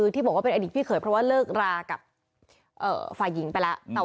ที่บอกว่าเป็นอดีตพี่เขยเพราะว่าเลิกรากับฝ่ายหญิงไปแล้ว